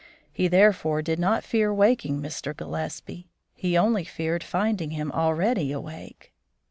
He therefore did not fear waking Mr. Gillespie; he only feared finding him already awake.